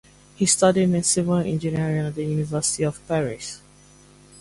He studied in civil engineering at the University of Paris.